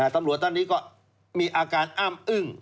ตำรวจท่านนี้ก็มีอาการอ้ำอึ้ง